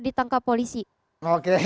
ditangkap polisi oke